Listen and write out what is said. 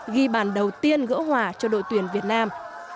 ghi bàn đầu tiên gỡ hòa cho đội tuyển việt nam